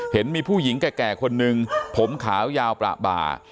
เห็นมีผู้หญิงแก่คนนึงผมขาวยาวประบา